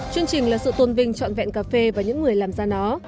chương trình là sự tôn vinh trọn vẹn cà phê và những người làm ra nó